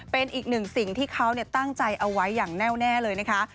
เป็นอีกหนึ่งสิ่งที่เขาตั้งใจเอาไว้อย่างแน่วแน่เลยนะคะ